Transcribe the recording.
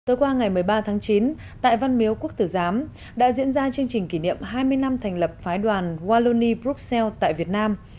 tối qua ngày một mươi ba tháng chín tại văn miếu quốc tử giám đã diễn ra chương trình kỷ niệm hai mươi năm thành lập phái đoàn wallonie bruxelles tại việt nam